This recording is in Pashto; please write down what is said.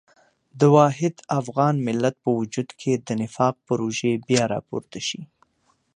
د واحد افغان ملت په وجود کې د نفاق پروژې بیا راپورته شي.